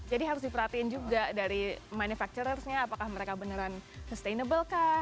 jadi harus diperhatiin juga dari manufakturernya apakah mereka beneran sustainable kah